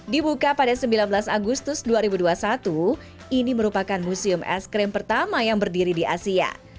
dibuka pada sembilan belas agustus dua ribu dua puluh satu ini merupakan museum es krim pertama yang berdiri di asia